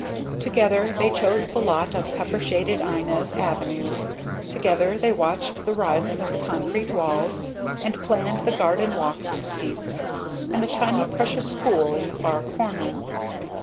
Together they chose the lot on pepper shaded Inez Avenue; together they watched the rising of the concrete walls and planned the garden walks and seats, and the tiny precious pool in the far corner.